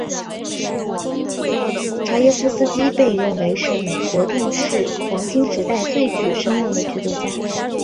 查耶夫斯基被认为是美国电视黄金时代最具声望的剧作家。